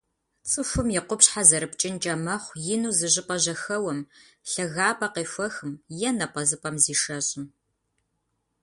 Цӏыхум и къупщхьэ зэрыпкӏынкӏэ мэхъу ину зыщӏыпӏэ жьэхэуэм, лъагапӏэ къехуэхым е напӏэзыпӏэм зишэщӏым.